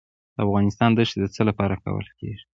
د افغانستان دښتې د څه لپاره کارول کیږي؟